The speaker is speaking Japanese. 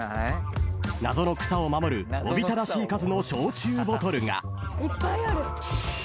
［謎の草を守るおびただしい数の焼酎ボトルが］